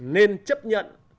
nên chấp nhận